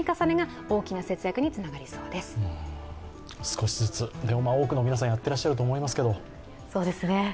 少しずつ、でも多くの皆さん、やってらっしゃると思いますけど。